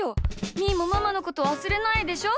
みーもママのことわすれないでしょ？